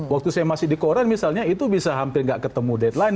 waktu saya masih di koran misalnya itu bisa hampir nggak ketemu deadline